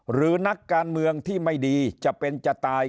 หรือนักการเมืองที่ไม่ดีจะเป็นจะตาย